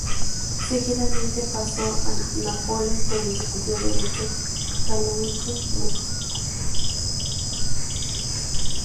Seguidamente pasó a Nápoles, donde estudió derecho canónico muchos años.